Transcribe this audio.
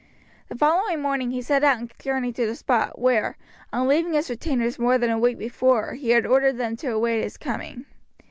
The following morning he set out and journeyed to the spot, where, on leaving his retainers more than a week before, he had ordered them to await his coming.